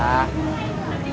mau dikasih nama monika sama denny